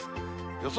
予想